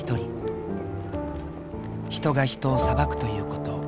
人が人を裁くということ。